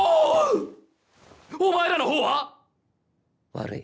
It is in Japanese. お前らのほうは？悪い。